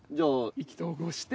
意気投合して。